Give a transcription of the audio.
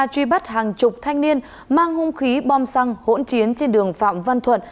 truy bắt hàng chục thanh niên mang hung khí bom xăng hỗn chiến trên đường phạm văn thuận